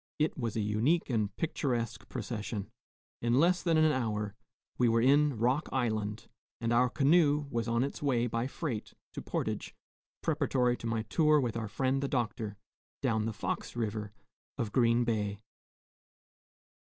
It was a unique and picturesque procession. In less than an hour we were in Rock Island, and our canoe was on its way by freight to Portage, preparatory to my tour with our friend the Doctor, down the Fox River of Green Bay.